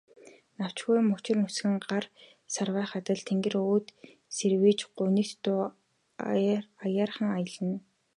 Навчгүй мөчир нүцгэн гар сарвайх адил тэнгэр өөд сэрийж, гунигт дуу аяархан аялна.